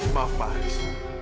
maaf pak haris